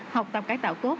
học tập cải tạo tốt